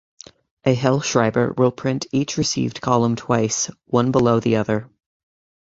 A Hellschreiber will print each received column twice, one below the other.